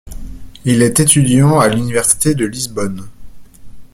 Il est étudiant à l'université de Lisbonne.